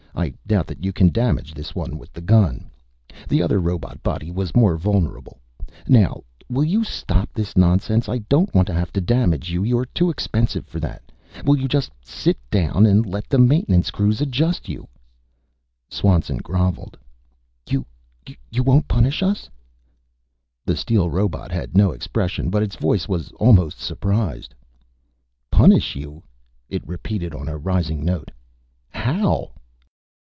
I doubt that you can damage this one with the gun. The other robot body was more vulnerable. Now will you stop this nonsense? I don't want to have to damage you; you're too expensive for that. Will you just sit down and let the maintenance crews adjust you?" Swanson groveled. "You you won't punish us?" The steel robot had no expression, but its voice was almost surprised. "Punish you?" it repeated on a rising note. "How?"